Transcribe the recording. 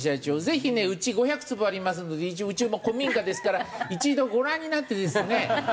ぜひねうち５００坪ありますので一応うちも古民家ですから一度ご覧になってですね